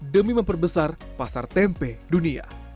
demi memperbesar pasar tempe dunia